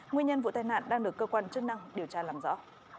nguyên nhân vụ tai nạn đang được cơ quan chức năng điều tra làm rõ